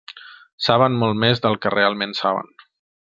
Saben molt més del que realment saben.